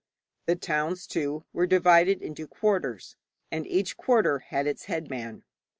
The towns, too, were divided into quarters, and each quarter had its headman.